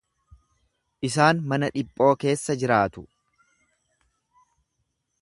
Isaan mana dhiphoo keessa jiraatu.